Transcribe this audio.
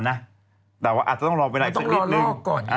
แต่ว่าอาจจะต้องรอไปไหนซักนิดหนึ่ง